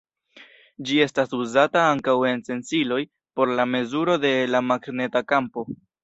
Ĝi estas uzata ankaŭ en sensiloj por la mezuro de la magneta kampo.